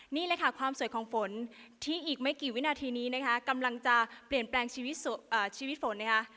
นี่เลยค่ะความสวยของฝนที่อีกไม่กี่วินาทีนี้นะคะกำลังจะเปลี่ยนแปลงชีวิตฝนนะคะ